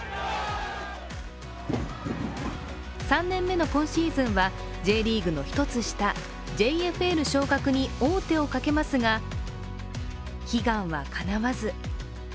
３年目の今シーズンはＪリーグの１つ下、ＪＦＬ昇格に王手をかけますが悲願はかなわず。